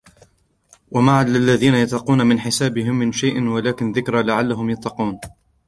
وَمَا عَلَى الَّذِينَ يَتَّقُونَ مِنْ حِسَابِهِمْ مِنْ شَيْءٍ وَلَكِنْ ذِكْرَى لَعَلَّهُمْ يَتَّقُونَ